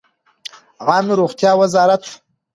عامې روغتیا وزارت